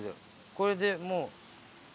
これでもう。